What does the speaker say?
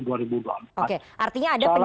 oke artinya ada penjajakan